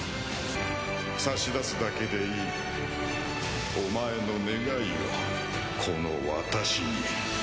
差し出すだけでいいお前の願いを、この私に。